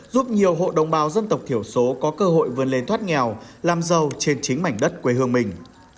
giúp nhiều hộ đồng bào dân tộc thiểu số có cơ hội vươn lên thoát nghèo làm giàu trên chính mảnh đất quê hương mình